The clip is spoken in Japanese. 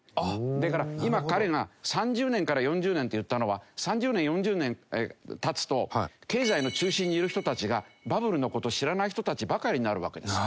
だから今彼が３０年から４０年って言ったのは３０年４０年経つと経済の中心にいる人たちがバブルの事を知らない人たちばかりになるわけです。